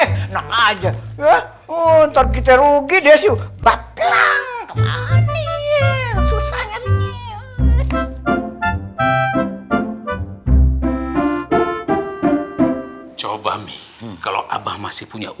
enak aja ya ntar kita rugi deh siu baklang aneh susahnya